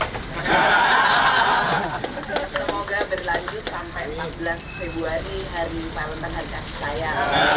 semoga berlanjut sampai empat belas februari hari parlemen harga setaya